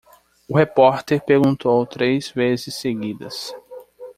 O repórter perguntou três vezes seguidas.